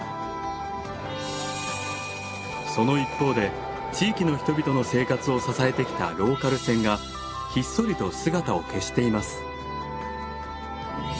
その一方で地域の人々の生活を支えてきたローカル線がひっそりと姿を消しています。